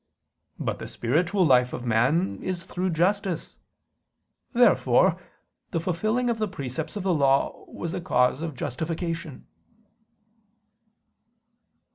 But the spiritual life of man is through justice. Therefore the fulfilling of the precepts of the Law was a cause of justification.